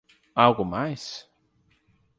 Algo mais?